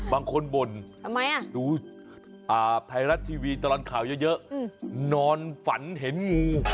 บางคนบ่นทำไมอ่ะดูไพรัสทีวีตลอดข่าวเยอะนอนฝันเห็นงู